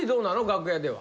楽屋では。